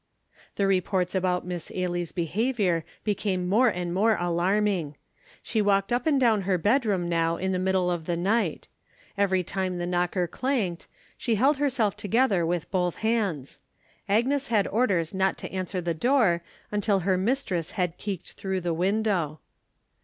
The reports about Miss Ailie's behavior became more and more alarming. She walked up and down her bedroom now in the middle of the night. Every time the knocker clanked she held herself together with both hands. Agnes had orders not to answer the door until her mistress had keeked through the window.